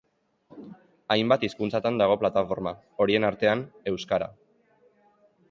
Hainbat hizkuntzatan dago plataforma, horien artean, euskara.